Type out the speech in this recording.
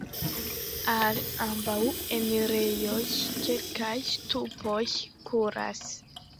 Al ambaŭ enirejoj kelkaj ŝtupoj kuras.